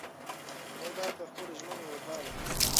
موږ باید په خپلو ژمنو وفا وکړو.